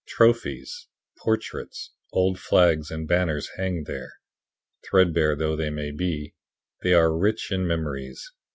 Trophies, portraits, old flags and banners hang there. Threadbare though they may be, they are rich in memories.